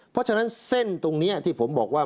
เพราะฉะนั้นเส้นตรงนี้ที่ผมบอกว่า